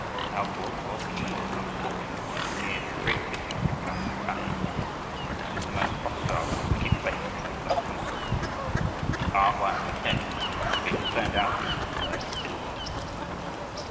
Now Go ko khi was, unfortunately, near the great city of Bang kah. This was the most hostile and wicked place in all that country, and A Hoa and Mackay had been stoned out of it on their visit there.